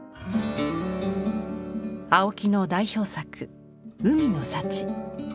青木の代表作「海の幸」。